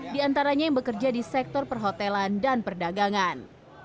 di antaranya yang bekerja di sektor perhotelan dan perdagangan